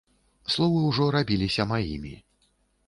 Словы ўжо рабіліся маімі.